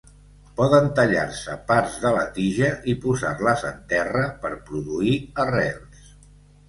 Poden tallar-se parts de la tija i posar-les en terra, per produir arrels.